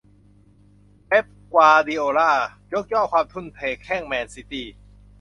เป๊ป กวาร์ดิโอล่า ยกย่องความทุ่มเทแข้งแมนซิตี้